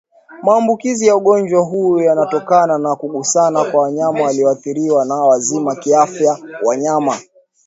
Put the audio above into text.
Maambukizi ya ugonjwa huu yanatokana na kugusana kwa wanyama walioathirika na wazima kiafya Wanyama